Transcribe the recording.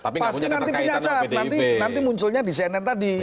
pasti nanti punya cap nanti munculnya di cnn tadi